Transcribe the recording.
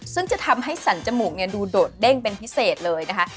ซึ่งจะทำให้สันจมูกดูโดดเด้งเป็นพิเศษเลยนะคะ